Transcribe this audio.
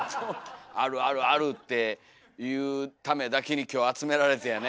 「あるあるある！」って言うためだけに今日集められてやね。